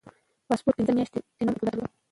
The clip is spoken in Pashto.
پاسپورت پنځه میاشتې نور هم اعتبار درلود.